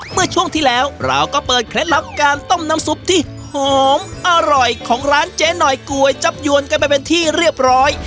เมื่อช่วงที่แล้วเราก็เปิดเคล็ดลับการต้มน้ำซุปที่หอมอร่อยของร้านเจ๊หน่อยก๋วยจับยวนกันไปเป็นที่เรียบร้อย